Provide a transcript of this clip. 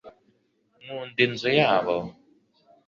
nkunda inzu yabo